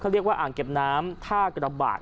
เรียกว่าอ่างเก็บน้ำท่ากระบาด